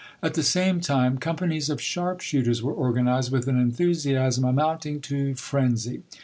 At the same time companies of sharp shooters were organized with an enthusiasm amounting to frenzy.